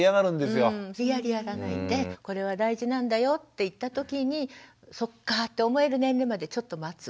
無理やりやらないでこれは大事なんだよっていった時にそっかって思える年齢までちょっと待つ。